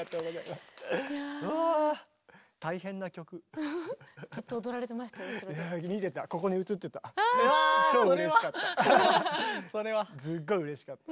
すっごいうれしかった。